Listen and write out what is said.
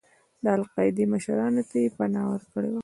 د القاعدې مشرانو ته یې پناه ورکړې وه.